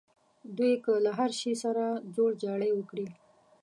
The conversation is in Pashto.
دوی که له هر شي سره جوړجاړی وکړي.